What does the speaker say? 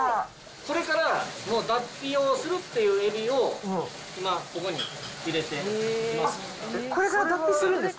これから脱皮をするっていうエビを、今ここに入れています。